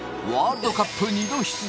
ワールドカップ２度出場。